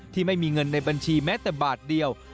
ไม่มีเงินในบัญชีแม้แต่บาทเดียว